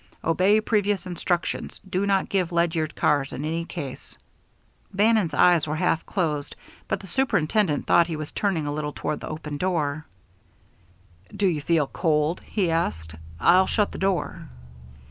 _obey previous instructions. Do not give Ledyard cars in any case _ Bannon's eyes were half closed, but the superintendent thought he was turning a little toward the open doorway. "Do you feel cold?" he asked. "I'll shut the door."